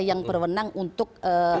yang berwenang untuk